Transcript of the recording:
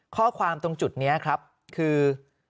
ข้อความตรงจุดนี้ครับคือ